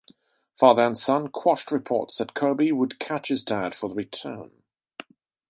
Father and son quashed reports that Koby would catch his dad for the return.